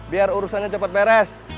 biar urusannya cepat beres